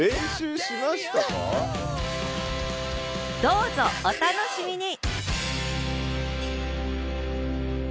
どうぞお楽しみに！